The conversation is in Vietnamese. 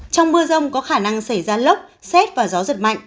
trong mưa rông có khả năng xảy ra lốc xét và gió giật mạnh